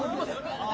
ああ。